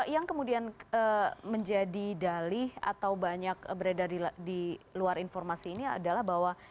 yang kemudian menjadi dalih atau banyak beredar di luar informasi ini adalah bahwa